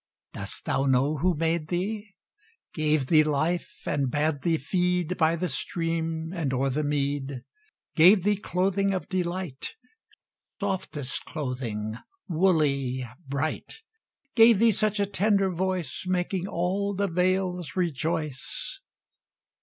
Dost thou know who made thee? Gave thee life, and bade thee feed By the stream and o'er the mead; Gave thee clothing of delight, Softest clothing, woolly, bright; Gave thee such a tender voice, Making all the vales rejoice?